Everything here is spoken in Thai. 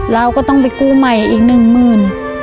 เราก็ต้องไปกู้ใหม่อีกหนึ่งหมื่น